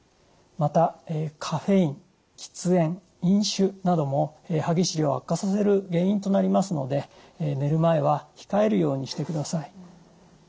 またカフェイン喫煙飲酒なども歯ぎしりを悪化させる原因となりますので寝る前は控えるようにしてください。